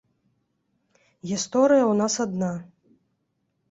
Гісторыя ў нас адна.